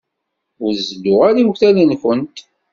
Ur zelluɣ ara iwtal-nkent.